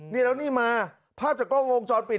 นี่แล้วนี่มาภาพจากล้องโมงช้อนปิด